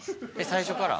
最初から？